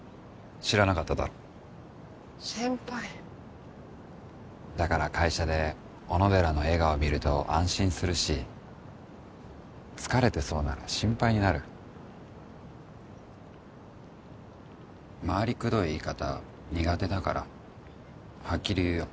知らなかっただろ先輩だから会社で小野寺の笑顔を見ると安心するし疲れてそうなら心配になる回りくどい言い方は苦手だからはっきり言うよ